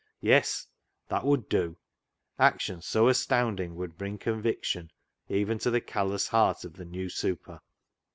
Yes ! That would do. Action so astound ing would bring conviction even to the callous heart of the new " super."